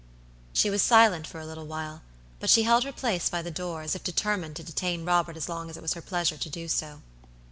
She was silent for a little while, but she held her place by the door, as if determined to detain Robert as long as it was her pleasure to do so.